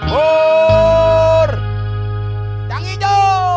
kas reboot yang ijo